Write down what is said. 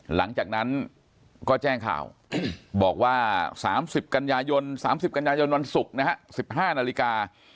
หลังจากนั้นก็แจ้งข่าวบอกว่า๓๐กันยายน๓๐กันยายนวันศุกร์นะฮะ๑๕นาฬิกา